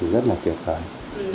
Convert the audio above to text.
rất là tuyệt vời